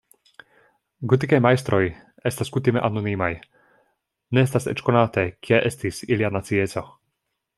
Gotikaj majstroj estas kutime anonimaj, ne estas eĉ konate, kia estis ilia nacieco.